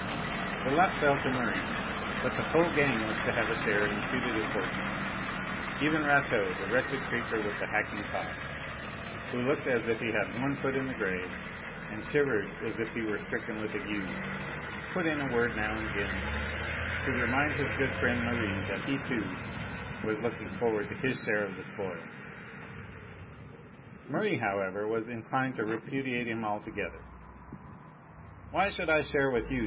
The lot fell to Merri; but the whole gang was to have a share in the putative fortune even Rateau, the wretched creature with the hacking cough, who looked as if he had one foot in the grave, and shivered as if he were stricken with ague, put in a word now and again to remind his good friend Merri that he, too, was looking forward to his share of the spoils. Merri, however, was inclined to repudiate him altogether. "Why should I share with you?"